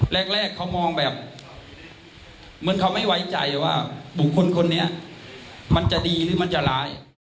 แรกเขามองแบบเหมือนเขาไม่ไว้ใจว่าบุคคลคนนี้มันจะดีหรือมันจะร้าย